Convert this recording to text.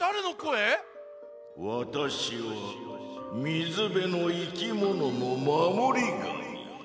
わたしはみずべのいきもののまもりがみ。